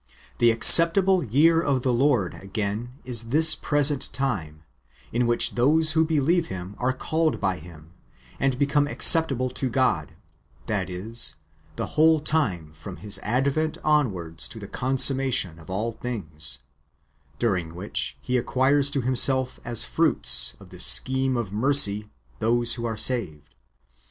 The acceptable year of the Lord, again, is this present time, in which those who beheve Him are called by Him, and become acceptable to God — that is, the whole time from His advent onwards to the consummation [of all things], during which He acquires to Himself as fruits [of the scheme of mercy] those who are saved.